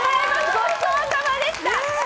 ごちそうさまでした。